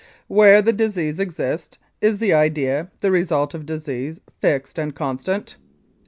Where the disease exists, is the idea, the result of disease, fixed and constant?